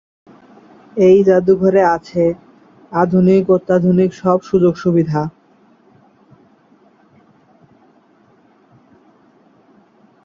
এই জাদুঘরে আছে "আধুনিক-অত্যাধুনিক" সব সুযোগ-সুবিধা।